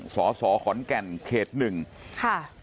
ศศขอนแก่นเขต๑